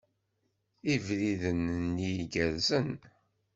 Ibriden-nni gerrzen.